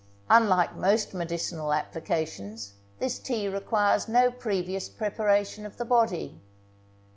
Unlike most medicinal applications, this tea requires no previous preparation of the body.